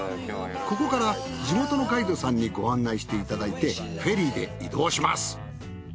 ここから地元のガイドさんにご案内していただいてフェリーで移動します。